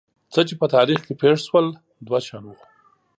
څه چې په تاریخ کې پېښ شول دوه شیان وو.